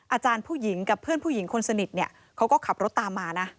อาจารย์ผู้หญิงกับเพื่อนผู้หญิงคนสนิทเนี่ยเขาก็ขับรถตามมานะ